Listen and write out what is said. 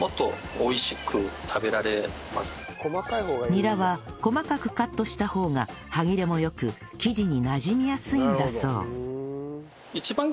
ニラは細かくカットした方が歯切れも良く生地になじみやすいんだそう